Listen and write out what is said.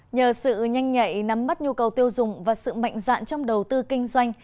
nhờ sự nhanh nhạy nắm bắt nhu cầu tiêu dùng và sự mạnh dạn trong đầu tư kinh doanh